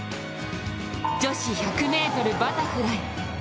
女子１００ｍバタフライ。